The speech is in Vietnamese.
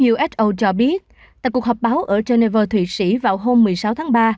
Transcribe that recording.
uso cho biết tại cuộc họp báo ở geneva thụy sĩ vào hôm một mươi sáu tháng ba